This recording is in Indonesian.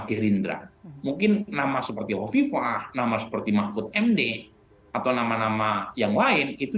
gerindra mungkin nama seperti hovifah nama seperti mahfud md atau nama nama yang lain itu